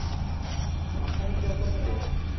先手を取って。